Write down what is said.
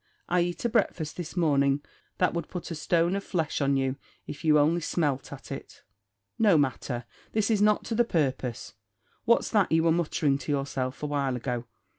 I eat a breakfast this morning that would put a stone of flesh on you, if you only smelt at it." "No matter; this is not to the purpose. What's that you were muttering to yourself awhile ago?